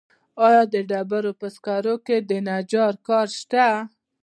آیا د ډبرو په سکرو کې د نجار کار شته